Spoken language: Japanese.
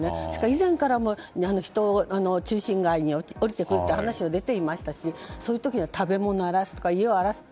以前から中心街に下りてくるという話は出ていましたしそういう時は食べ物や家を荒らす。